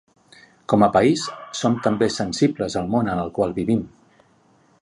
Com a país, som també sensibles al món en el qual vivim.